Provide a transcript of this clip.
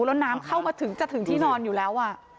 แล้วน้ำเข้ามาถึงจะถึงที่นอนอยู่แล้ว